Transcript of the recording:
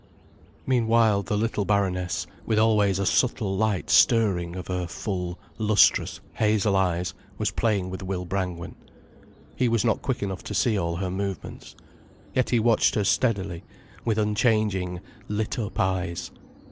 Meanwhile the little baroness, with always a subtle light stirring of her full, lustrous, hazel eyes, was playing with Will Brangwen. He was not quick enough to see all her movements. Yet he watched her steadily, with unchanging, lit up eyes.